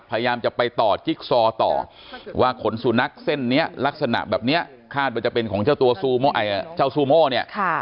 พยายามจะไปต่อจิ๊กซอต่อว่าขนสุนัขเส้นนี้ลักษณะแบบนี้คาดว่าจะเป็นของเจ้าตัวเจ้าซูโม่เนี่ย